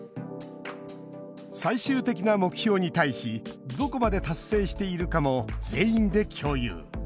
最終的な目標に対しどこまで達成しているかも全員で共有。